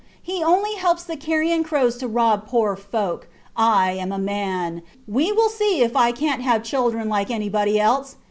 he only helps the carrion crows to rob poor folk. I am a man. ... We will see if I cant have children like anybody else